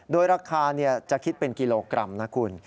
โดยราคาจะคิดเป็นกิโลกรัมนะคุณ